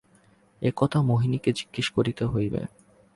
এ কথা মোহিনীকে জিজ্ঞাসা করিতে হইবে।